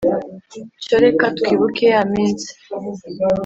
Cyo reka twibuke ya minsi